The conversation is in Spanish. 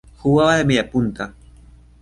Jugaba de mediapunta.